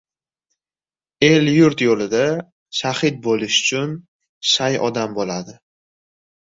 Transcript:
El-yurt yo‘lida shahid bo‘lish uchun shay odam bo‘ladi.